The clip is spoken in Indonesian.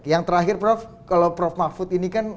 yang terakhir prof kalau prof mahfud ini kan